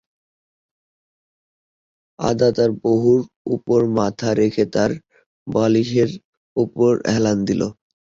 আদা তার বাহুর ওপর মাথা রেখে তার বালিশের ওপর হেলান দিল।